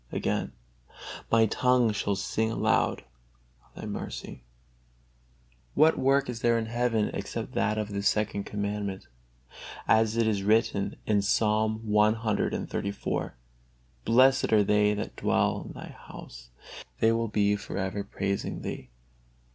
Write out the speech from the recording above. Again: "My tongue shall sing aloud of Thy mercy." What work is there in heaven except that of this Second Commandment? As it is written in Psalm lxxxiv: "Blessed are they that dwell in Thy house: they will be for ever praising Thee."